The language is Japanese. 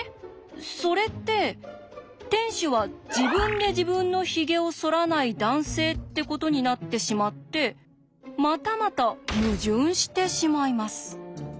それって店主は自分で自分のヒゲをそらない男性ってことになってしまってまたまた矛盾してしまいます。